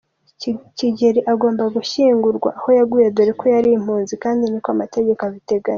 Kigeli agomba Gushyingurwa aho yaguye dore ko yari Impunzi kandi Niko Amategeko abiteganya!